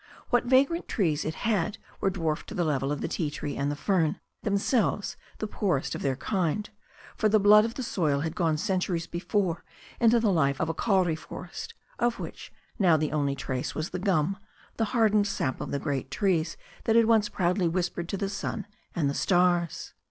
What vagrant trees it had were dwarfed to the level of the ti tree and the fern, themselves the poorest of their kind, for the blood of the soil had gone centuries before into the life of a kauri forest, of which now the only trace was the gum, the hardened sap of the great trees that had once proudly whispered to the sun and the stars.